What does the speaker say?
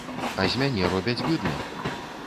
А з мяне робяць быдла.